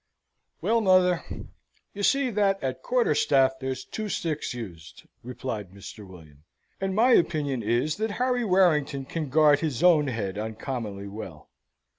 "Well, mother, you see that at quarter staff there's two sticks used," replied Mr. William; "and my opinion is, that Harry Warrington can guard his own head uncommonly well.